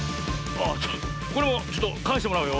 あっこれもちょっとかえしてもらうよ。